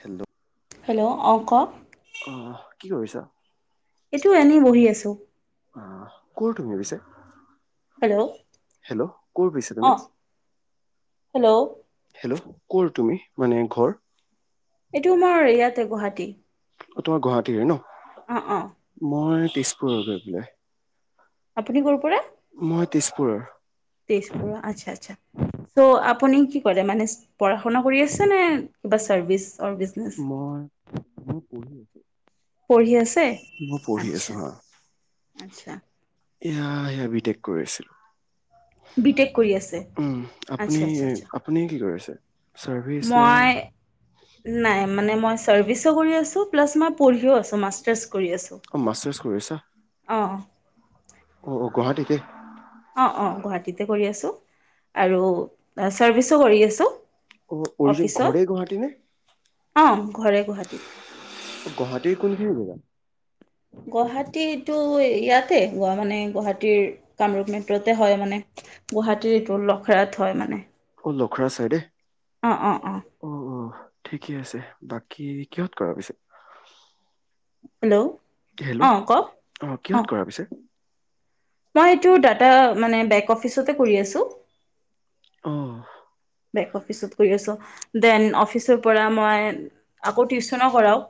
Hello hello অ কক অ কি কৰিছা এইটো এনেই বহি আছো আহ কৰ তুমি পিছে? হেল্ল' হেল্ল' কৰ পিছে অ তুমি হেল্ল' হেল্ল' কৰ তুমি মানে ঘৰ এইটো মোৰ ইয়াতে গুৱাহাটী অ তোমাৰ গুৱাহাটীৰে ন অ অ মই তিজপুৰৰ গৈ পেলাই [unintelligible] আপুনি ক'ৰ পৰা মই তেজপুৰৰ তেজপুৰৰ আচ্ছা আচ্ছা চ' আপুনি কি কৰে মানে পঢ়া শুনা কৰি আছে নে কিবা চাৰ্ভিচ কৰ বিগনেছ মই মই পঢ়ি পঢ়ি আছে আছো মই পঢ়ি আছো আৰ্টছা হা আৰ্টছা এয়া সেভিটেক কৰিছিল বি টেক কৰি আছে উম আপুনি আচ্ছা আচ্ছা আচ্ছা আপুনি কি কৰিছে মই নাই মানে মই চাৰ্ভিছো কৰি আছোঁ প্লাছ মই পঢ়িও আছো মাষ্টাৰ্ছ কৰি আছোঁ অ মাৰচাৰ্ছ কৰি আছা অঁ [unintelligible] গুৱাহাটীতে অ অ গুৱাহাটীতে কৰি আছো আৰু চাৰ্ভিছো কৰি আছো। অৰি যে ঘৰে গুৱাহাটী নে অঁ ঘৰে গুৱাহাটীত গুৱাহাটীৰ কোনখিনি জেগা গুৱাহাটীটো ইয়াতে মানে গুৱাহাটীৰ কামৰূপ মেট্ৰতে হয় মানে গুৱাহাটীৰ এইটো লখৰাত হয় মানে অঁ লখৰা চাইডে অ অ অ ঠিকেই আছে বাকী কিহত কৰা পিছে হেল্ল' হেল্ল' অঁ কওক আহ কিহত অঁ কৰা পিছে মই এইটো দাটা মানে বেংক অফিচতে কৰি আছোঁ [inaudible] দেন অফিচৰ পৰা মই টিউচনো কৰো [unintelligible]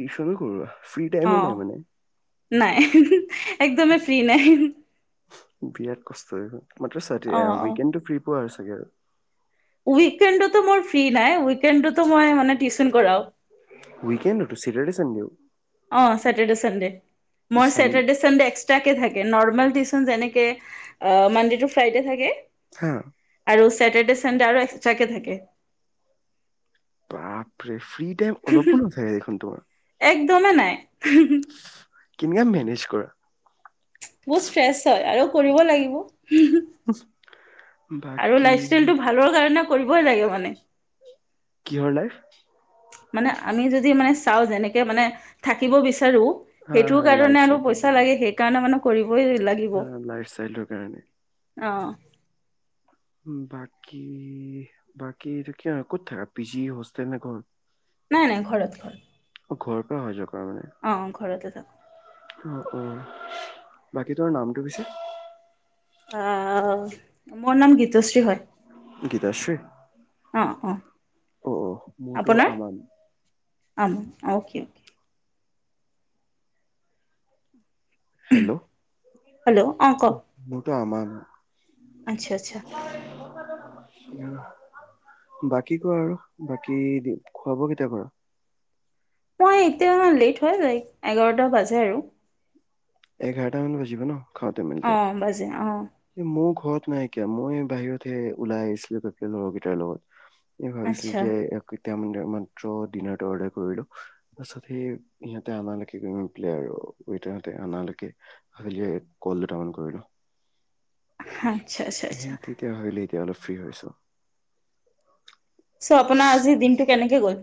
টিউশনো কৰা ফ্ৰী টাইম নাই মানে [unintelligible] নাই [unintelligible] একদমে ফ্ৰী নাই [unintelligible] বিৰাট কষ্ট হয় [unintelligible] মাত্ৰ অঁ অঁ উইকেডটো ফ্ৰী পোৱা আৰু চাগে আৰু [unintelligible] উইকেণ্ডতো মোৰ ফ্ৰী নাই উইকেডতো মই মানে টিউচন কৰাও উইকেণ্ডটো চেটাৰডে সানডে [unintelligible] অ চেটাৰ্দে চাণ্ডে মই চান সেটাৰদে চাণ্ডে এস্কট্ৰাকে থকে নৰ্মেল টি [unintelligible] যেনেকে মানডে টু ফ্ৰাইডে থাকে হা আৰু চেটাৰ্ডে চানডে আৰু একসট্ৰাকে থাকে [unintelligible] বাপৰে [unintelligible] ফ্ৰী টাইম অলপো নাথাকে দেখোন তোমাৰ একদমেই নাই কিনকা মেনেজ কৰা [unintelligible] বহুত ষ্ট্ৰেছ হয় আৰু কৰিব লাগিব [unintelligible] আৰু বাকী লাইফষ্টাইল টো ভালৰ কাৰণে [unintelligible] কৰিবই লাগে মানে কিহৰ লাইফ [unintelligible] মানে আমি যদি মানে চাওঁ যেনেকে মানে থাকিব বিচাৰো হা সেইটো হা কাৰণে আৰু পইচা লাগে সেইকাৰণে মানে [unintelligible] কৰিব অ লাইফ ষ্টাইলৰ কাৰণে অঁ বাকী বাকীটো কিয় ক'ত থাকা পি জি হোষ্টেল নে ক নাই নাই ঘৰত ঘৰত ঘৰ পৰা অহা যোৱা [unintelligible] অ ঘৰতে থাকো অ অ বাকী তোমাৰ নামটো পিছে? আহ মোৰ নাম গীতশ্ৰী হয়। গীতাশ্ৰী অ অ অ অ মোৰটো আমান আও কি হেল্ল' হেল্ল' অ কওক মোৰটো আমান । [inaudible] আচ্ছা আচ্ছা । বাকী কোৱা আৰু বাকী খুৱা বোৱা কেতিয়া কৰা। মই এতিয়া লেট হয় এঘাৰটা বাজে আৰু। এঘাৰটা মান বজিব ন। খাওতে অ মেলোতে বাজে অ এই মুঘত নাইকিয়া মই বাহিৰতহে ওলাই আহিছিলো তাক লগৰ কেইটাৰ লগত এই ভাবিছিলো আচ্ছা যে। এতিয়া ম মাত্ৰ ডিনাৰটো অৰ্ডাৰ কৰিলোঁ তাৰপছত সেই ইহঁতে আনালৈকে গ গৈ পেলাই আৰু নালকে আলিয়ে কল দুটা মান কৰিলোঁ হ সেই তেতিয়া হ এতিয়া অলপ ফ্ৰী হৈছোঁ । চ আপোনাৰ আজি দিনটো। কেনেকে গ'ল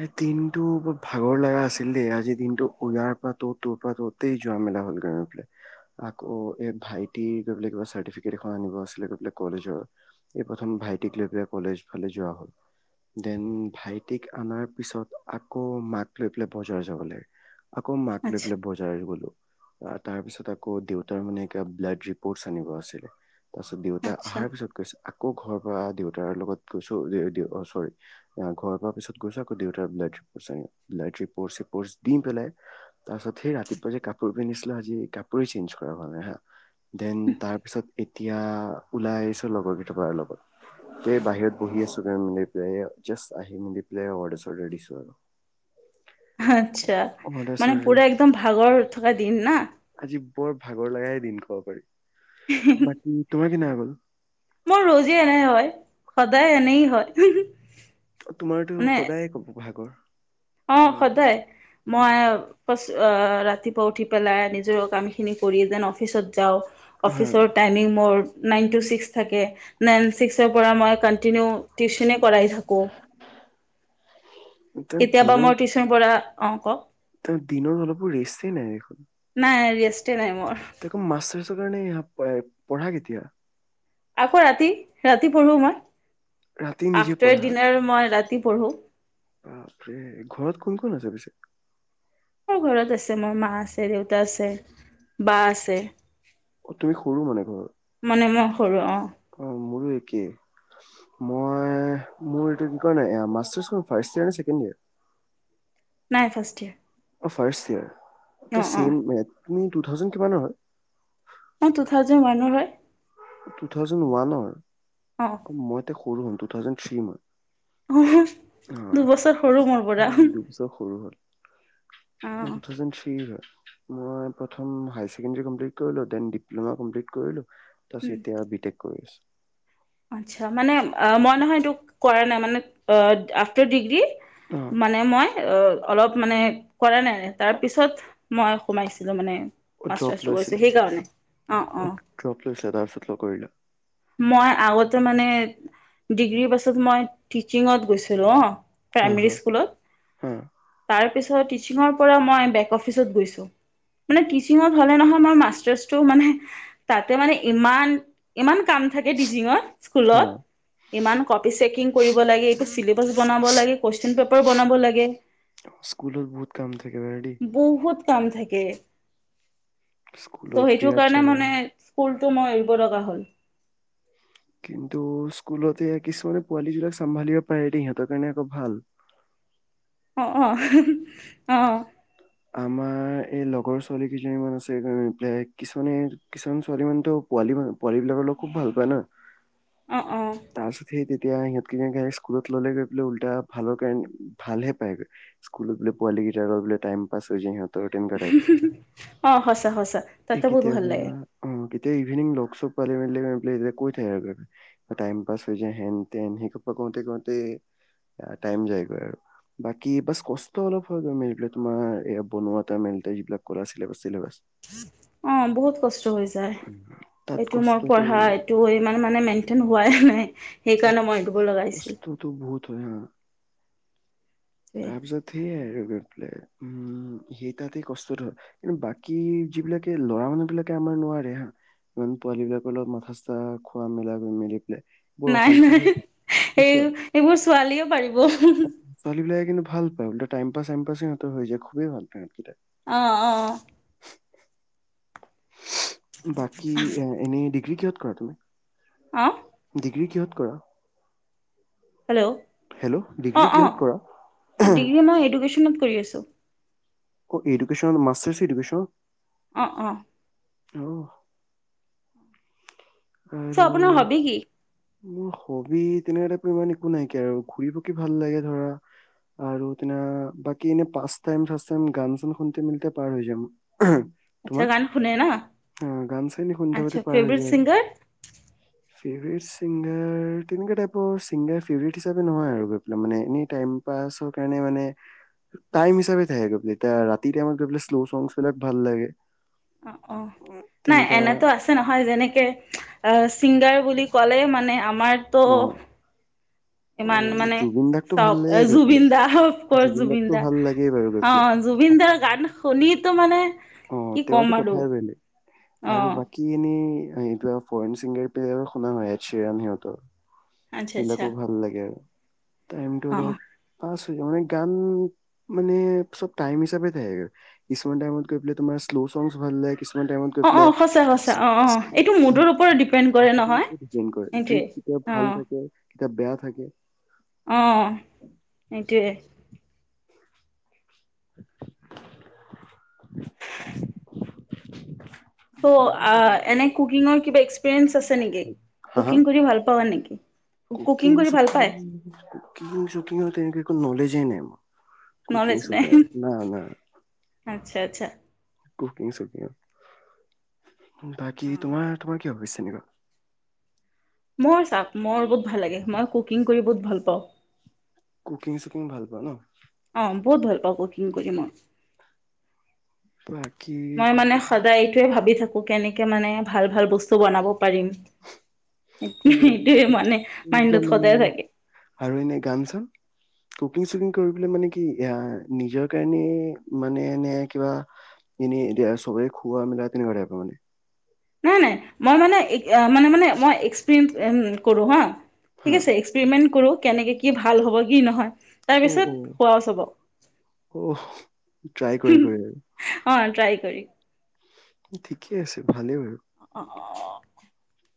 এই দিনটো ভাগৰ লগা আছিল দেই আজিৰ দিনটো ইয়াৰ পৰা ত তোৰ পৰা ততেই যোৱা মেলা হলগৈ গৈ পেলাই আকৌ এ ভাইটিৰ গৈ পাই কিবা চাৰ্টিফিকেট এখন আনিব আছিলে গৈ পাই কলেজৰ এই প্ৰথম ভাইটিক লৈ পেলাই কলেজ ফালে যোৱা হল দেন ভাইট তিক অনাৰ পিছত আকৌ মাক লৈ পেলাই বজাৰ যাবলৈ। আকৌ মাক লই আচ্ছা পেলে বজাৰ গলো। তাৰ পিছত আকৌ দেউতাৰ মানে এ ব্লাড ৰিপৰ্ট আনিব আছিলে। তাৰ পিছত দেউতাই আচ্ছা অহাৰ পিছত কৈছে। আকৌ ঘৰ পৰা দেউতাৰ লগত গৈছো যে অ চৰি ঘৰ পৰা দেউতাৰ [unintelligible] দি পেলাই তাৰ পিছত সেই ৰাতিপুৱা যে কাপোৰ পিন্ধিছিলো আজি কাপোই চেঞ্জ কৰা হ নাই হা দেন তাৰ পিছত এতিয়া ওলাই আহিছো লগৰ কেইটাবাৰ লগত বাহিৰত বহি আছো ম জাষ্ট আহি মেলি। [unintelligible] আচ্ছা অৰ্ডাৰ মানে চৰ্ডাৰ পুৰা একদম ভাগৰ থকা দিন ন। আজি বৰ ভাগৰ লগাই দিন কব পাৰি। বাকী তোমাৰ কি ন হম মোৰ ৰজী এনে হয় সদায় এনে হয় । তোমাৰতো সদায়ে কব ভাগৰ অ সদায় মই ৰাতিপুৱা উঠি পেলাই নিজৰ কামখিনি কৰি যেন অফিচত যাওঁ । হা অফিচৰ টাইমিং মোৰ নাইনটো ছিক্স থাকে নাইন ছিক্সৰ পৰা মই কন্টিনিউ টিউচনে কৰাই থাকো কেতিয়াবা মই টিউচন পৰা অঁ কক তাৰ দিনত অলপো ৰেষ্ট নাই দেখোন নাই ৰেষ্টে নাই মোৰ তেক মাচাচ কাৰণে পঢ়া কেতিয়া আকৌ ৰাতি ৰাতি পঢ়ো মই ৰাতি নিজে আফটাৰ পঢ়া আকৌ। ডিনাৰ মই ৰাতি পঢ়ো বাপৰে ঘৰত কোন কোন আছে পিছে মোৰ ঘৰত আছে মোৰ মা আছে দেউতা আছে বা আছে অ তুমি সৰু মানে ঘৰৰ মানে মই সৰু অ অ মোৰো একে মই মোৰ এইটো কি কয় মাষ্টাৰচ ফাৰ্ষ্ট ইয়েৰ নে ছেকেণ্ড ইয়াৰ নাই ফাৰ্ষ্ট ইয়াৰ অ ফাৰষ্ট ইয়াৰ ত ছেম তুমি টু থাউজেন কিমানৰ হয় মই টু থাউজেণ্ড ওৱানৰ হয় টু থাউজেণ্ড ওৱানৰ মই তে সৰু হম টু থাউজেন থ্ৰি মই অ অ', দুবছৰ সৰু মোৰ পৰা দুবছৰ সৰু হ'ল মই অ', টু থাউজেন থ্ৰি ৰ হয় মই প্ৰথম হাই ছেকেণ্ডড্ৰি কমপ্লিত কৰিলোঁ ডেন ডিপ্লমা কমপ্লিত কৰিলো উম, তাৰপিছত এতিয়া বি টেক কৰি আছো আচ্ছা মানে মই নহয় এইটো কৰা নাই মানে আফটাৰ ডিগ্ৰী অ মানে মই অ অলপ মানে কৰা নাই তাৰপিছত মই সোমাইছিলোঁ মানে অ ড্ৰপ মাষ্টাৰ্ছটো কৰিছোঁ লৈছিলা সেইকাৰণে অ ড্ৰপ লৈছিলা তাৰপিছত ল'অ কৰিলা তে মানে ডিগ্ৰীৰ পাছত মই টিচিঙত গৈছিলো অ হা প্ৰাইমেৰী হা স্কুলত হা তাৰ পিছত টিছিংৰ পৰা মই বেক অফিচত গৈছো মানে টিছিংত হলে নহয় মই মাষ্টাৰচটো মানে তাতে মানে ইমান কাম থাকে জিংত হা স্কুলত ইমান কপি চেকিং কৰিব লাগে চিলেবাছ বনাব লাগে কোৱেশ্যন পেঁপাৰ বনাব লাগে স্কুলত বহুত কাম থাকে বাৰু দেই বহুত কাম থাকে ত স্কুলত সেইটো বিৰাট কাৰণে জ্বালা মানে স্কুল টো মই এৰিব লগা হ'ল। কিন্তু স্কুলতে কিছুমানে পোৱালী জিলাক চম্ভালিব পাৰে দেই, সিহঁতৰ কাৰণে আকৌ ভাল । অ অ [unintelligible] আহ আমাৰ এই লগৰ ছোৱালী কেইজনীমান আছে, কিছুমানে কিছুমান ছোৱালী মানতো পোৱালী পোৱালী বিলাকৰ লগত খুব ভাল পায় ন। অঁ অঁ। এতিয়া সিহঁতকেইজন স্কুলত ল'লে [unintelligible] উল্টা ভালৰ কাৰণে ভাল হে পায়গৈ, স্কুলত বোলে পোৱালি কেইট বোলে টাইম পাছ হৈ যাই সিহঁতৰ। তেনেকুৱা টাইপৰ [unintelligible] অ সঁচা সঁচা তাতে বহুত ভাল লাগে। এতিয়া ইভিনিং লক চক পালে [unintelligible] মেলে কৈ থাকে। আৰু টাইম পাছ হৈ যায় হেন তেন সেই কওঁতে কওঁতে টাইম যায়গৈ আৰু। বাকী বাছ কষ্ট অলপ হয় মেলি তোমাৰ এইয়া বনোৱা এটা [unintelligible] হেইবিলাক কৰা ছিলেবাছ টিলেবছ অ বহুত কষ্ট হৈ যায়। তাত এইটো মোৰ কষ্টটো পঢ়া এইটো মানে মেইনটেইন হোৱাই নাই, সেইকাৰণে মই এৰি দিব লগা হৈছিল। তা [unintelligible] তাৰপিছত সেইয়ে আৰু লে। [unintelligible] উম সেই তাতে কষ্টত হয়। কিন্তু বাকী যিবিলাকে ল'ৰা মানুহ বিলাকে আমাৰ নোৱাৰে হা। ইমান পোৱালী বিলাকৰ লগত মাথা চা খোৱা মেলা মেলি [unintelligible] বৰ নাই অশান্তি নাই হৈ থাকে। এই কিছুমান এইবোৰ ছোৱালীও পাৰিব। ছোৱালী বিলাকে কিন্তু ভাল পায় টাইম পাছ চাইম পাছ [unintelligible] হৈ যায় খুবেই ভাল পায় [unintelligible] আহ আহ। [inaudible] বাকি এনেই [unintelligible] কি কিহত কৰা তুমি? অঁ? ডিগ্ৰী কিহত কৰা? হেল্ল' হেল্ল' অঁ ডিগ্ৰী অঁ, কিহত কৰা ডিগ্ৰী মই এডুকেশ্যনত। কৰি আছো। অ এডুকেশ্বন [unintelligible] অ অ। অহ! চ আপোনাৰ হবি কি? মোৰ হবি তেনেকুৱাই ইমান একো নাইকিয়া আৰু। ঘুৰিপকি ভাল লাগে ধৰা। আৰু তেনে বাকী এনে পাঁচ টাইচ টাইম গান চান শুনতে মিলিতে পাৰ হৈ যাম। [unintelligible] আচ্ছা গান শুনে ন? গান চান শুনি আচ্ছা থাকোতে পাৰ হৈ ফেভৰেট যায় আৰু চিংগাৰ? ফেভৰেট চিঙাগাৰ, তেনেকুৱা টাইপৰ চিঙাগাৰ ফেভৰেট হিচাপে নহয় আৰু মানে। এনেই টাইম পাছৰ কাৰণে মানে। টাইম হিচাপে এতিয়া ৰতিকে শ্ল চংছ বিলাক ভাল লাগে। [unintelligible] অ অ নাই তেনেকা এনেতো আছে নহয় যেনেকে অ চিংগাৰ বুলি ক'লে মানে আমাৰটো অ অ ইমান মানে জুবিন দাকতো ভাল চাওক লাগে গৈ জুবিন পেলাই দা অফকৰ্চ জুবিন দাকতো দা। ভাল লাগেই বাৰু গৈ অ পেলাই জুবিন দাৰ গান শুনি [unintelligible] টো মানে অ কি তেওঁৰতো ক'ম আৰু অ সেইতো ফৰেন চিংগাৰ প্লেয়াৰ শুনা হয় এছিয়াণ সিহঁতৰ আচ্ছা আচ্ছা সেবিলাকো ভাল লাগে। টাইমটো অ অ অলপ পাছ মানে গান মানে সব টাইম হিচাপে থাকে। কিছুমান টাইমত গৈ পেলাই তোমাৰ শ্লচং ভাল লাগে। কিছুমান টাইমত গৈ অ অ পেলাই। সঁচা সঁচা অ অ এইটো মুডৰ ওপৰত ডিপেণ্ড কৰে নহয় দিন সেইটোৱে কেতিয়া অ ভাল থাকে? কেতিয়া বেয়া থাকে। অহ সেইটোৱে। [unintelligible] চ' এনে কুকিঙৰ কিবা এক্সপিৰিয়েঞ্চ আছে নেকি, হা হা কুকিং কৰি ভাল পাৱ নেকি, কুকিং কৰি ভাল পায়? কুকিং চুকিঙৰ তেনেকে নলেজেই নাই মোৰ। কুকিং নলেজ নাই ছুকিংঙত না না আচ্ছা কুকিং চুকিংত বাকী অ তোমাৰ তোমাৰ। কিয় হৈছে এনেকুৱা ক চাওঁ মোৰ বহুত ভাল লাগে মই কুকিং কৰি বহুত ভাল পাওঁ। কুকিং চুকিং ভাল পোৱা ন? অ বহুত ভাল পাওঁ কুকিং কৰি মই বাকী মই মানে কুকিং সদায় এইটোৱে ভাবি কুক কেনিকে মানে ভাল ভাল বস্তু বনাব। পাৰিম এইটোৱে মানে নিজৰ মাইণ্ডত মানে সদায় থাকে। আৰু এনে গান চান কুকিং চুকিং কৰিবলে মানে কি এয়া নিজৰ কাৰণে মানে নে কিবা এনে চবে খোৱা মেলা তেনেকুৱা তাইপৰ মানে নাই নাই মই মানে এ মানে মানে মই এক্সপেৰিয়েঞ্চ কৰোঁ হা। ঠিক হা আছে এক্সপেৰিমেণ্ট কৰোঁ। কেনেকে কি ভাল হ'ব কি নহয়। অ' তাৰপিছত অ' খোৱাও চবক, অ' ট্ৰাই কৰি কৰি আৰু অ ট্ৰাই কৰি। ঠিকেই আছে। ভালেই বাৰু অ